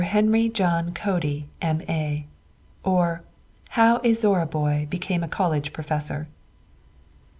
HENRY JOHN CODY, M.A.; OR, HOW A ZORRA BOY BECAME A COLLEGE PROFESSOR.